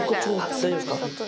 大丈夫ですか？